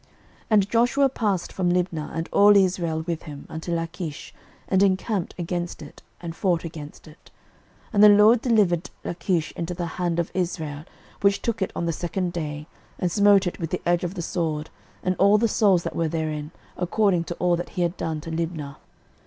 06:010:031 And Joshua passed from Libnah, and all Israel with him, unto Lachish, and encamped against it, and fought against it: 06:010:032 And the LORD delivered Lachish into the hand of Israel, which took it on the second day, and smote it with the edge of the sword, and all the souls that were therein, according to all that he had done to Libnah.